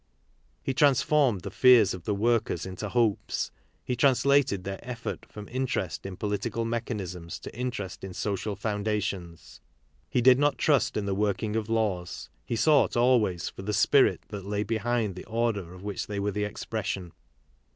He transformed the fears of the workers into hopes, he translated their effort from interest in political mechanisms to interest in social foundations. He did not trust in the working of laws, he sought always for the spirit that lay behind the order of which they were the expression.